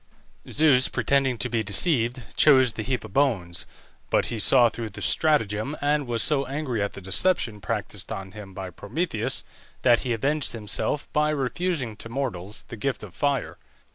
Zeus, pretending to be deceived, chose the heap of bones, but he saw through the stratagem, and was so angry at the deception practised on him by Prometheus that he avenged himself by refusing to mortals the gift of fire.